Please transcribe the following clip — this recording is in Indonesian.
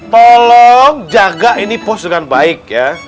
tolong jaga ini pos dengan baik ya